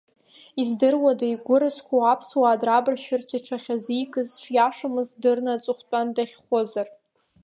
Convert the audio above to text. Издыруада, игәыразқәоу аԥсуаа драбашьырц иҽахьазикыз шиашамыз дырны аҵыхәтәан дахьхәызар?